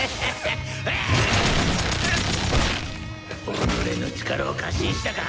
己の力を過信したか？